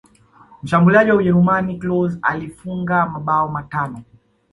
mshambuliaji wa ujerumani klose aliifunga mabao matano